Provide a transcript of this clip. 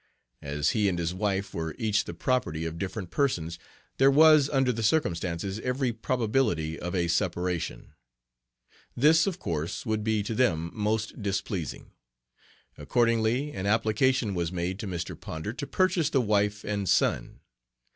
As he and his wife were each the property (?) of different persons, there was, under the circumstances, every probability of a separation. This, of course, would be to them most displeasing. Accordingly an application was made to Mr. Ponder to purchase the wife and son.